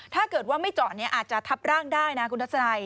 ถ้าเกิดว่าไม่จอดอาจจะทับร่างได้นะคุณทัศนัย